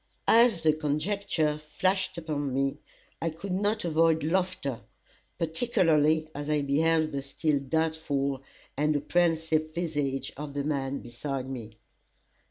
As the conjecture flashed upon me, I could not avoid laughter, particularly as I beheld the still doubtful and apprehensive visage of the man beside me.